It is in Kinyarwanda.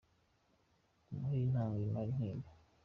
Muhe intango imara intimba